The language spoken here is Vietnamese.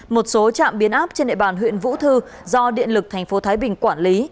một số trạm biến áp trên địa bàn huyện vũ thư do điện lực tp thái bình quản lý